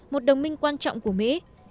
một đồng minh quan trọng của mỹ